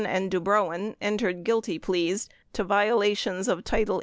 and Dubrowin entered guilty pleas to violations of 18 U.S.